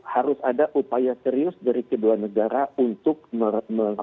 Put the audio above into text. harus ada upaya serius dari kedua negara